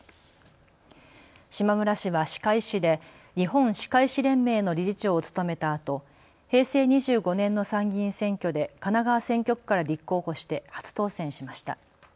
島村氏は歯科医師で日本歯科医師連盟の理事長を務めたあと、平成２５年の参議院選挙で神奈川選挙区から立候補して初当選しました。